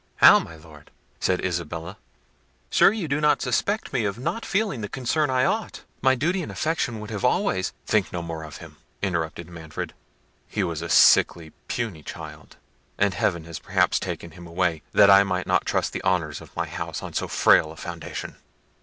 "How, my Lord!" said Isabella; "sure you do not suspect me of not feeling the concern I ought: my duty and affection would have always—" "Think no more of him," interrupted Manfred; "he was a sickly, puny child, and Heaven has perhaps taken him away, that I might not trust the honours of my house on so frail a foundation.